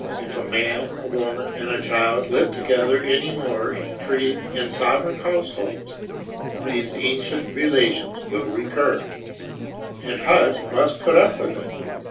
If a man, a woman and a child live together any more in free and sovereign households, these ancient relations will recur; and Hudge must put up with it.